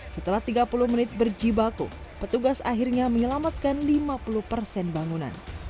setelah tiga puluh menit berjibaku petugas akhirnya menyelamatkan lima puluh persen bangunan